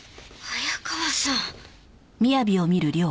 早川さん！？